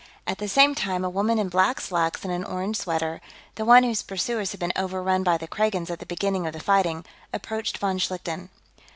At the same time, a woman in black slacks and an orange sweater the one whose pursuers had been overrun by the Kragans at the beginning of the fighting approached von Schlichten.